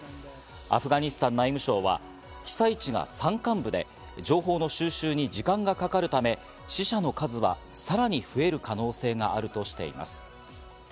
アフガニスタン内務省は被災地が山間部で、情報の収集に時間がかかるため、死者の数はさらに増える可能性があるとしています。